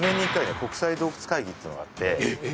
国際洞窟学会議っていうのがあってえっ